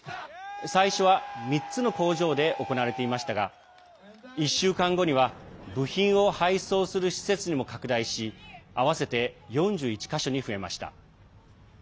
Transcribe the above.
最初は３つの工場で行われていましたが１週間後には部品を配送する施設にも拡大し合わせて４１か所に増えました。